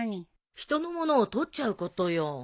人のものを取っちゃうことよ。